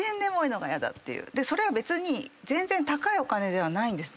それは別に全然高いお金ではないんです。